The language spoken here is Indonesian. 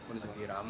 pada suatu saat